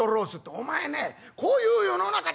「お前ねこういう世の中だ。